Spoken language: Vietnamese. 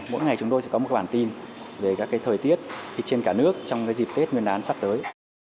mỗi ngày chúng tôi sẽ có một bản tin về các thời tiết trên cả nước trong dịp tết nguyên đán sắp tới